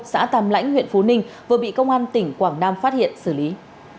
xã tàm lãnh huyện phú ninh vừa bị công an tỉnh quảng nam phát hiện xử lý